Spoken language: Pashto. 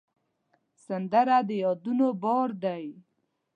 سندره د یادونو بار دی